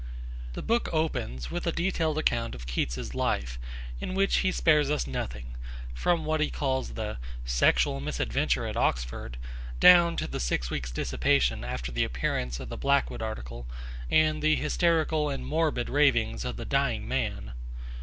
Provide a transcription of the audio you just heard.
The book opens with a detailed account of Keats's life, in which he spares us nothing, from what he calls the 'sexual misadventure at Oxford' down to the six weeks' dissipation after the appearance of the Blackwood article and the hysterical and morbid ravings of the dying man.